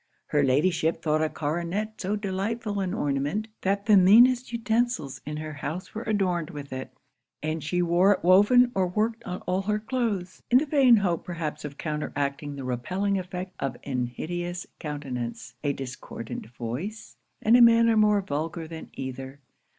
Her Ladyship thought a coronet so delightful an ornament, that the meanest utensils in her house were adorned with it; and she wore it woven or worked on all her cloaths, in the vain hope perhaps of counteracting the repelling effect of an hideous countenance, a discordant voice, and a manner more vulgar than either.